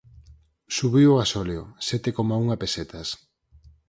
Subiu o gasóleo, sete coma unha pesetas.